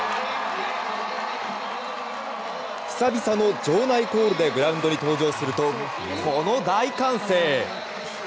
久々の場内コールでグラウンドに登場するとこの大歓声！